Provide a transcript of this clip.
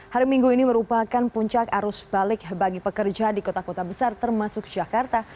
hari minggu ini merupakan puncak arus balik bagi pekerja di kota kota besar termasuk jakarta